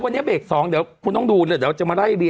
นั่นไง